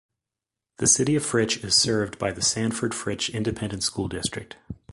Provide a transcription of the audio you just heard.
The City of Fritch is served by the Sanford-Fritch Independent School District.